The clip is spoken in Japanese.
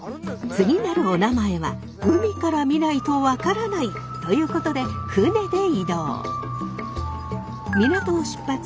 次なるお名前は海から見ないと分からない！ということで船で移動。